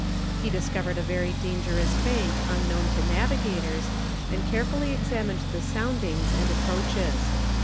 He discovered a very dangerous bank unknown to navigators, and carefully examined the soundings and approaches.